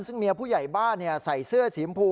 ซึ่งเมียผู้ใหญ่บ้านใส่เสื้อสีชมพู